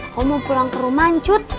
aku mau pulang ke rumah anjut